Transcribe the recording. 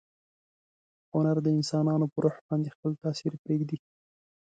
هنر د انسانانو په روح باندې خپل تاثیر پریږدي.